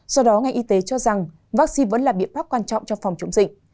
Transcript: do đó ngành y tế cho rằng vaccine vẫn là biện pháp quan trọng cho phòng chống dịch